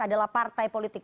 adalah partai politik